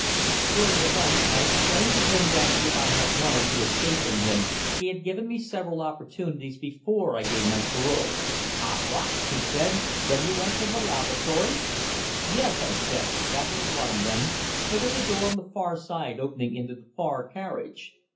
During the lunch, I explained to him that if I had wanted to escape from him, he had given me several opportunities before I gave my parole. "Ah, what!" he said, "when you went to the lavatory?" "Yes," said I, "that was one of them; there was a door on the far side opening into the far carriage."